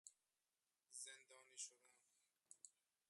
زندانی شدن